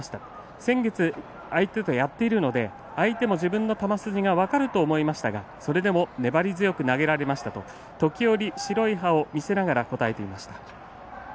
先月、相手とやっているので相手も自分の球筋が分かると思いましたがそれでも粘り強く投げられましたと時折白い歯を見せながら答えていました。